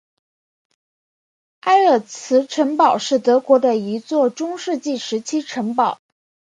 埃尔茨城堡是德国的一座中世纪时期城堡。